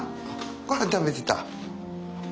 ごはん食べてた？